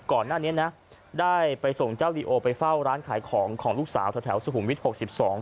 ก่อนหน้านี้นะได้ไปส่งเจ้าลีโอไปเฝ้าร้านขายของของลูกสาวแถวแถวสุขุมวิทยหกสิบสอง